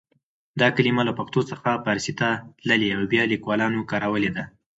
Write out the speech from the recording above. دغه کلمه له پښتو څخه پارسي ته تللې او بیا لیکوالانو کارولې ده.